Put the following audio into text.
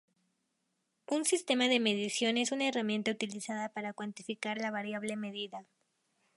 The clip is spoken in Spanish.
Un sistema de medición es una herramienta utilizada para cuantificar la variable medida.